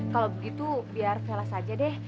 kalau begitu biar vela saja deh